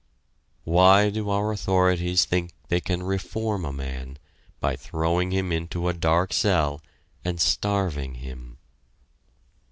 Why do our authorities think they can reform a man by throwing him into a dark cell and starving him?